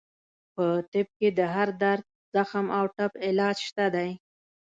په طب کې د هر درد، زخم او ټپ علاج شته دی.